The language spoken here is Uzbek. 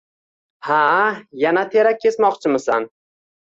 Ha, yana terak kesmoqchimisan?